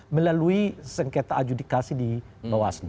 melalui sengketa adjudikasi di bawaslu